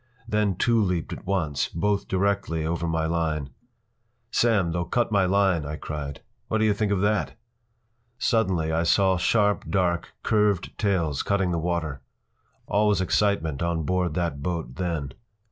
Then two leaped at once, both directly over my line. “Sam, they’ll cut my line!” I cried. “What do you think of that?” Suddenly I saw sharp, dark, curved tails cutting the water. All was excitement on board that boat then.